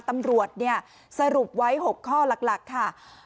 ตำรวจสรุปไว้๖ข้อหลักค่ะ